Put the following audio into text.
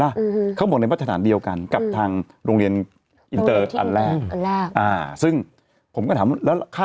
อืมเขาบอกในมาตรฐานเดียวกันกับทางโรงเรียนอินเตอร์อันแรกอันแรกอ่าซึ่งผมก็ถามแล้วค่า